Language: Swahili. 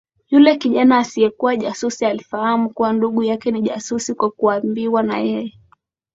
Yule kijana asiekuwa jasusi alifahamu kuwa ndugu yake ni jasusi kwa kuambiwa na yeye